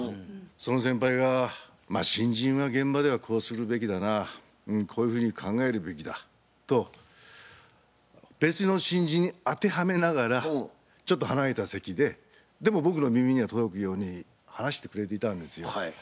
その先輩が「新人は現場ではこうするべきだなこういうふうに考えるべきだ」と別の新人に当てはめながらちょっと離れた席ででも僕の耳には届くように話してくれていたんですよ。